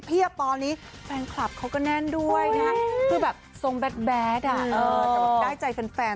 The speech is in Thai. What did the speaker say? เพียบตอนนี้แฟนคลับเขาก็แน่นด้วยนะคือแบบสงแบดแบดอะได้ใจแฟน